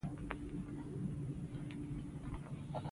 غږ د بلبل ساز دی